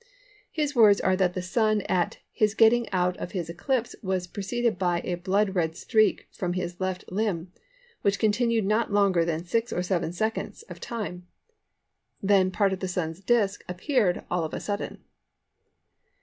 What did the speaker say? His words are that the Sun at "his getting out of his eclipse was preceded by a blood red streak from its left limb which continued not longer than six or seven seconds of time; then part of the Sun's disc appeared all of a sudden."